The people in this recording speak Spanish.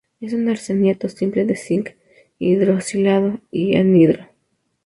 Es un arseniato simple de cinc, hidroxilado y anhidro.